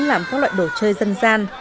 làm các loại đồ chơi dân gian